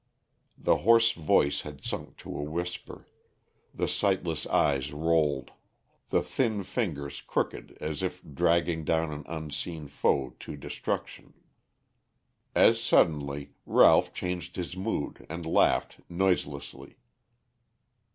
The hoarse voice had sunk to a whisper, the sightless eyes rolled, the thin fingers crooked as if dragging down an unseen foe to destruction. As suddenly Ralph changed his mood and laughed noiselessly.